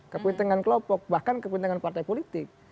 kepentingan kelompok bahkan kepentingan partai politik